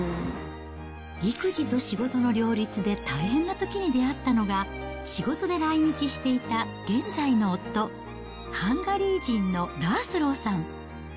育児と仕事の両立で大変なときに出会ったのが、仕事で来日していた現在の夫、ハンガリー人のラースローさん。